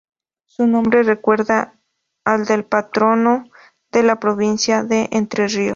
Su nombre recuerda al del patrono de la provincia de Entre Ríos.